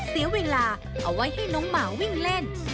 เสียเวลาเอาไว้ให้น้องหมาวิ่งเล่น